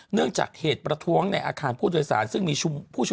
เนื่องจากเหตุประท้วงในอาคารผู้โดยสารซึ่งมีผู้ชุ